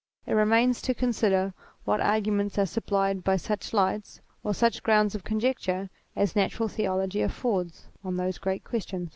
It remains to consider what arguments are supplied by such lights, or such grounds of conjecture, as natural theology affords, on those great questions.